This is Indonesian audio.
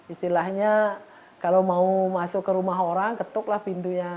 istilahnya kalau mau masuk ke rumah orang ketuklah pintunya